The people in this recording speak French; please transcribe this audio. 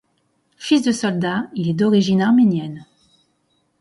Fils de soldat, il est d'origine arménienne.